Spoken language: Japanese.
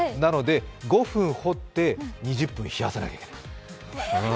５分彫って、２０分冷やさなきゃいけない。